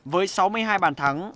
với sáu mươi hai bàn thắng